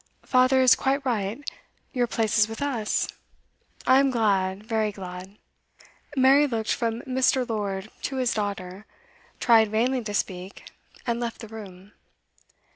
'Father is quite right. Your place is with us. I am glad, very glad.' Mary looked from Mr. Lord to his daughter, tried vainly to speak, and left the room.